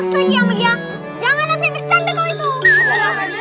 jangan nafikan bercanda kau itu